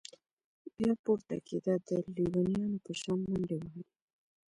بيا پورته كېده د ليونيانو په شان منډې وهلې.